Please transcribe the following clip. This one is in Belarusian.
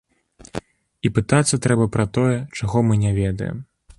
І пытацца трэба пра тое, чаго мы не ведаем.